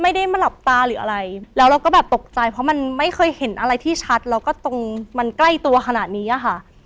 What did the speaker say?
ไม่ได้มาหลับตาหรืออะไรแล้วเราก็แบบตกใจเพราะมันไม่เคยเห็นอะไรที่ชัดแล้วก็ตรงมันใกล้ตัวขนาดนี้อะค่ะ